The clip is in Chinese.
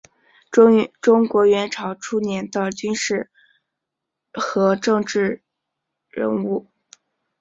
中国元朝初年的军事家和政治人物。